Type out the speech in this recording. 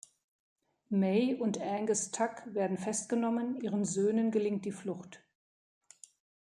Mae und Angus Tuck werden festgenommen, ihren Söhnen gelingt die Flucht.